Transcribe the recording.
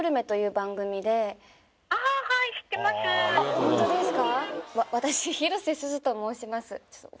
ホントですか？